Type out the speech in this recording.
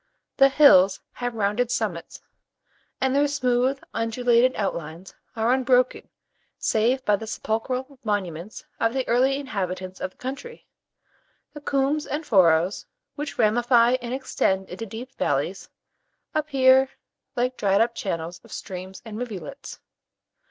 The hills have rounded summits, and their smooth, undulated outlines are unbroken save by the sepulchral monuments of the early inhabitants of the country. The coombes and furrows, which ramify and extend into deep valleys, appear like dried up channels of streams and rivulets.